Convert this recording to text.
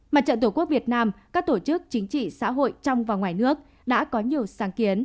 mặt trận tổ quốc việt nam các tổ chức chính trị xã hội trong và ngoài nước đã có nhiều sáng kiến